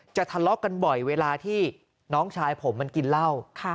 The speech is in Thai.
ทะเลาะกันบ่อยเวลาที่น้องชายผมมันกินเหล้า